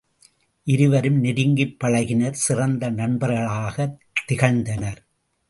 இருவரும் நெருங்கிப் பழகினர் சிறந்த நண்பர்களாகத் திகழ்ந்தனர்.